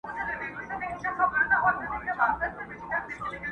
o نوي چاري، په زړه لاري!